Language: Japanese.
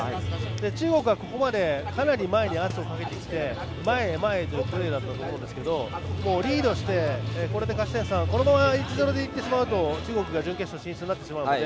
中国はここまでかなり前に圧をかけてきて前へ、前へというプレーだと思うんですけどリードして、これで勝ち点３このまま１−０でいってしまうと中国が準決勝進出になるので。